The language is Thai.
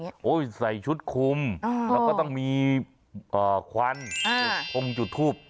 สนใส่ชุดคุมแล้วก็ต้องมีขวัญปุ่มจุดทูบ